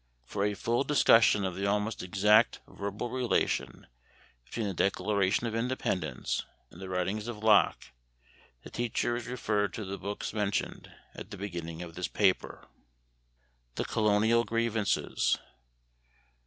For a full discussion of the almost exact verbal relation between the Declaration of Independence and the writings of Locke the teacher is referred to the books mentioned at the beginning of this paper. The Colonial Grievances.